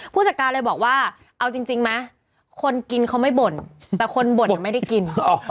ผู้จัดการเลยบอกว่าเอาจริงไหมคนกินเขาไม่บ่นแต่คนบ่นไม่ได้กิน